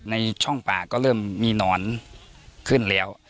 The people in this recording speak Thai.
ในช่องป่าก็เริ่มมีหนอนขึ้นแล้ว